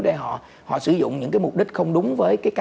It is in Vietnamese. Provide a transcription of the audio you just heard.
để họ sử dụng những cái mục đích không đúng với cái cam kết ban đầu